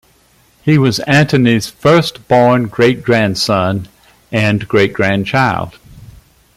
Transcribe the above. He was Antony's first born great grandson and great grandchild.